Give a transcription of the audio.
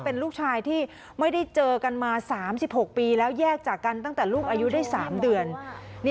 เป็นลูกชายที่ไม่ได้เจอกันมา๓๖ปีแล้วแยกจากกันตั้งแต่ลูกอายุได้๓เดือน